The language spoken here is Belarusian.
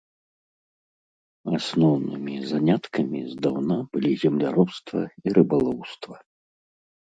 Асноўнымі заняткамі здаўна былі земляробства і рыбалоўства.